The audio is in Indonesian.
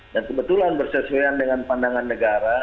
kebetulan bersesuaian dengan pandangan negara